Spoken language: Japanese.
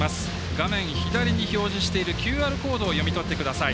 画面左に表示しているＱＲコードを読み取ってください。